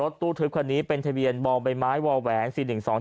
รถตู้ทริปคันนี้เป็นทะเบียนบองใบไม้วอแหวงสี่หนึ่งสอง